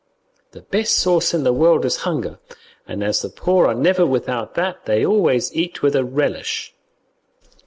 The best sauce in the world is hunger, and as the poor are never without that, they always eat with a relish.